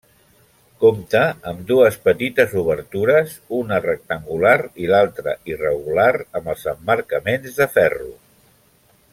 Compta amb dues petites obertures, una rectangular i l'altra irregular amb els emmarcaments de ferro.